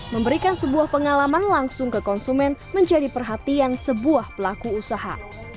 memberikan sebuah pengalaman langsung ke konsumen menjadi perhatian sebuah pelaku usaha